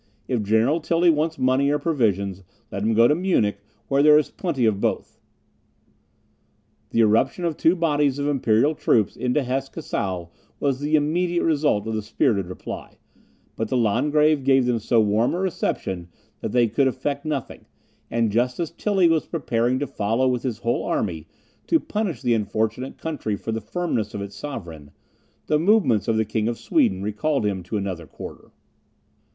If General Tilly wants money or provisions, let him go to Munich, where there is plenty of both." The irruption of two bodies of imperial troops into Hesse Cassel was the immediate result of this spirited reply, but the Landgrave gave them so warm a reception that they could effect nothing; and just as Tilly was preparing to follow with his whole army, to punish the unfortunate country for the firmness of its sovereign, the movements of the King of Sweden recalled him to another quarter.